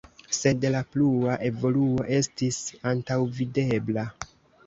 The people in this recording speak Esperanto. Sed la plua evoluo estis antaŭvidebla.